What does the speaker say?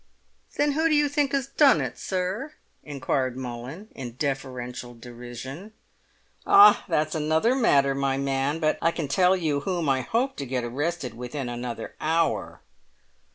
"Then who do you think has done it, sir?" inquired Mullins, in deferential derision. "Ah! that's another matter, my man; but I can tell you whom I hope to get arrested within another hour!"